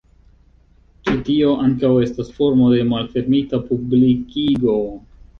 Ĉi tio ankaŭ estas formo de malfermita publikigo.